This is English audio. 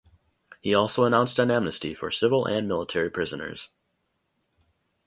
He also announced an amnesty for civil and military prisoners.